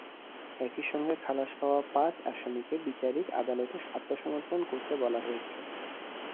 একই সঙ্গে খালাস পাওয়া পাঁচ আসামিকে বিচারিক আদালতে আত্মসমর্পণ করতে বলা হয়েছে।